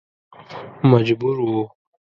مجبور و.